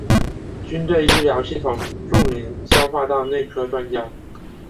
军队医疗系统著名消化道内科专家。